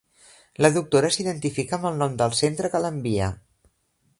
La doctora s'identifica amb el nom del centre que l'envia.